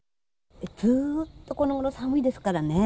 ずっとこのごろ寒いですからね。